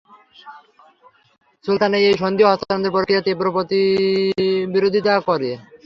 সুলতানের এই সন্ধি ও হস্তান্তর প্রক্রিয়ার তীব্র বিরোধিতা করেন।